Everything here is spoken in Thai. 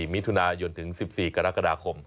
๑๔เมถุนยนต์ถึง๑๔กรกฎาคม